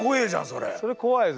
それ怖いですね。